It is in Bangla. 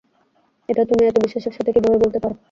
এটা তুমি এতো বিশ্বাসের সাথে কিভাবে বলতে পারো?